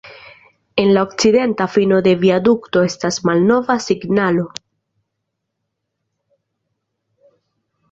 En la okcidenta fino de viadukto estas malnova signalo.